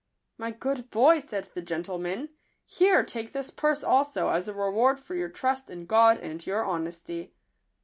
" My good boy," said the gentleman, " here, take this purse also, as a reward for your trust in God and your honesty."